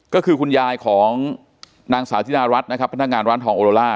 ก็คือคุณยายของนางสาวธิดารัฐนะครับพนักงานร้านทองโอโลล่า